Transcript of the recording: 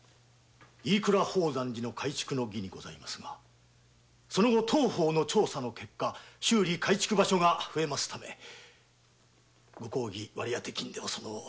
飯倉宝山寺の改築の儀にございますが当方の調査の結果修理改築が増えますためご公儀割り当て金ではその。